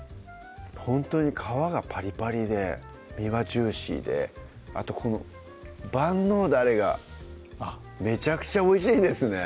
ほんとに皮がパリパリで身はジューシーであとこの万能ダレがめちゃくちゃおいしいんですね